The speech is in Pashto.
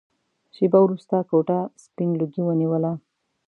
شېبه وروسته کوټه سپين لوګي ونيوله.